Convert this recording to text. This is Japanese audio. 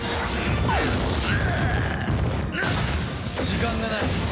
時間がない。